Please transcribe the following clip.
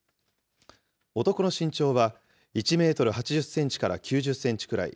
男の身長は１メートル８０センチから９０センチくらい。